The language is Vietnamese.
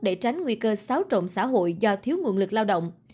để tránh nguy cơ xáo trộn xã hội do thiếu nguồn lực lao động